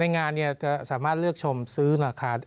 ในงานเนี่ยจะสามารถเลือกชมซื้อราคา